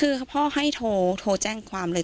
คือพ่อให้โทรแจ้งความเลย